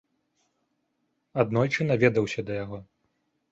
Аднойчы наведаўся да яго.